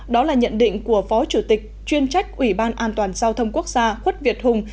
đó là nhận định của phó chủ tịch chuyên trách ủy ban an toàn giao thông quốc gia khuất việt hùng